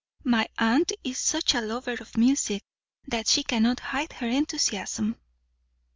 My aunt is such a lover of music that she cannot hide her enthusiasm."